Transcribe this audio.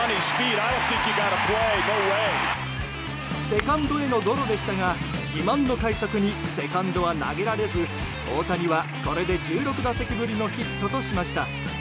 セカンドへのゴロでしたが自慢の快速にセカンドは投げられず大谷は、これで１６打席ぶりのヒットとしました。